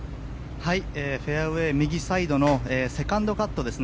フェアウェー右サイドのセカンドカットですね。